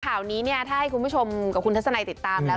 ข่าวนี้เนี่ยถ้าให้คุณผู้ชมกับคุณทัศนัยติดตามแล้ว